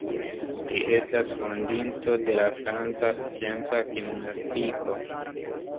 Li estas fondinto de la franca scienca gimnastiko.